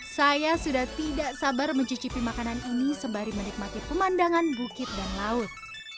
saya sudah tidak sabar mencicipi makanan ini sembari menikmati pemandangan bukit dan laut